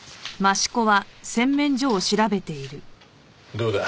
どうだ？